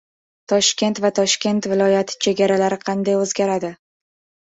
Toshkent va Toshkent viloyati chegaralari qanday o‘zgaradi